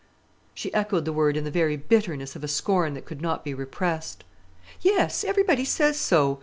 She echoed the word in the very bitterness of a scorn that could not be repressed. "Yes; everybody says so.